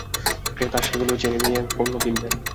ক্রেতা সেগুলো জেনে নিয়ে পণ্য কিনবেন।